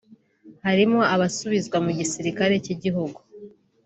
harimo abasubizwa mu gisirikare cy’igihugu